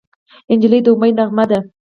نجلۍ د امید نغمه ده.